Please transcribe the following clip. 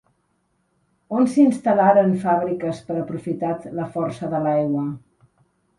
On s'instal·laren fabriques per aprofitat la força de l'aigua?